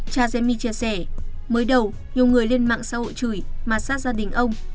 cha diễm my chia sẻ mới đầu nhiều người lên mạng xã hội chửi mặt sát gia đình ông